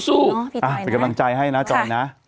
เป็นกำลังใจให้นะจอยนะ